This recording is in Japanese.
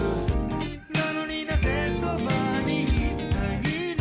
「なのになぜ側に居たいの」